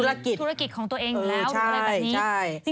ทำธุรกิจใช่ใช่